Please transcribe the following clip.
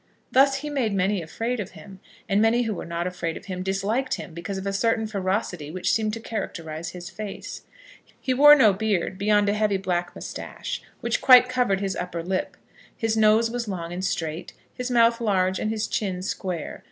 Thus he made many afraid of him, and many who were not afraid of him, disliked him because of a certain ferocity which seemed to characterise his face. He wore no beard beyond a heavy black moustache, which quite covered his upper lip. His nose was long and straight, his mouth large, and his chin square.